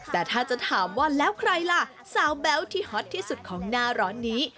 แต่ถ้าจะถามว่าแล้วใครล่ะสาวแบ๊วที่ฮอตที่สุดของหน้าร้อนนี้